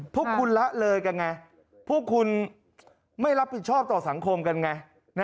พวกคุณละเลยกันไงพวกคุณไม่รับผิดชอบต่อสังคมกันไง